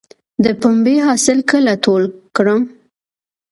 د پنبې حاصل کله ټول کړم؟